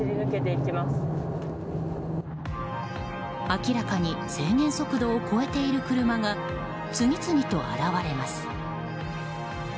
明らかに制限速度を超えている車が次々と現れます。